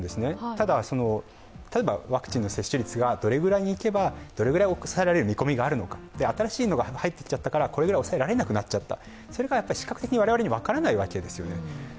ただ、例えばワクチンの接種率がどれくらいにいけばどれくらい抑えられる見込みがあるのか、新しいものが入ってきたから抑えられなくなってきちゃったそれが視覚的に我々に分からないわけですよね。